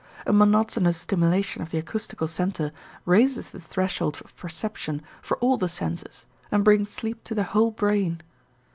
A monotonous stimulation of the acoustical center raises the threshold of perception for all the senses and brings sleep to the whole brain.